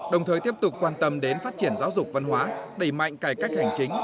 đồng thời tiếp tục quan tâm đến phát triển giáo dục văn hóa đẩy mạnh cải cách hành chính